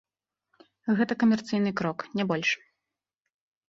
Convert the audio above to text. Гэта камерцыйны крок, не больш.